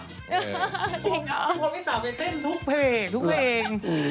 จริงหรอพวกพี่สาวเป็นเต้นทุกเพลง